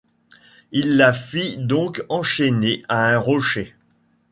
Il la fit donc enchaîner à un rocher.